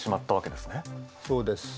そうです。